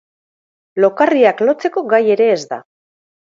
Lokarriak lotzeko gai ere ez da.